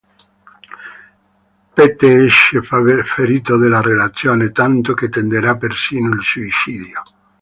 Pete esce ferito dalla relazione, tanto che tenterà persino il suicidio.